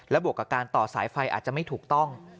บวกกับการต่อสายไฟอาจจะไม่ถูกต้อง